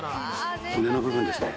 骨の部分ですね。